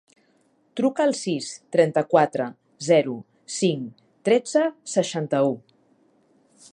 Truca al sis, trenta-quatre, zero, cinc, tretze, seixanta-u.